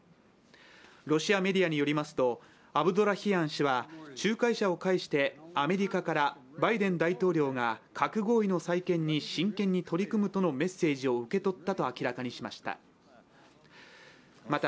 ロシアメディアによりますとアブドラヒアン氏は仲介者を介してバイデン大統領が核合意の再建に真剣に取り組むとのメッセージを受け取ったと明らかにしました。